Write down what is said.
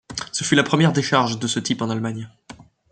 Ce fut la première décharge de ce type en Allemagne.